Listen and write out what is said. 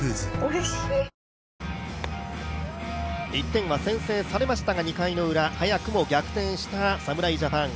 １点は先制されましたが、２回のウラ早くも逆転した侍ジャパン。